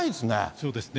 そうですね。